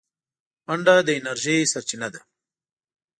منډه د انرژۍ سرچینه ده